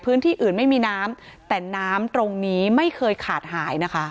พื้นที่อื่นไม่มีน้ำแต่น้ำตรงนี้ไม่เคยขาดหายนะคะ